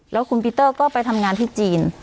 แล้วคุณปีเตอร์ก็ไปทำงานที่จีน